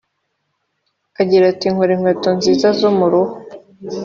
Agira ati “Nkora inkweto nziza zo mu ruhu